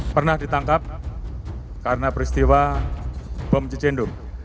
pernah ditangkap karena peristiwa bom cicendo